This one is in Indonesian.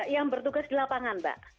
yang bertugas di lapangan mbak